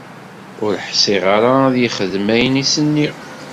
Ur ḥṣiɣ ara ad ixdem ayen i s-nniɣ